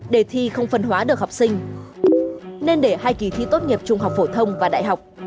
đề thi không phân hóa được học sinh nên để hai kỳ thi tốt nghiệp trung học phổ thông và đại học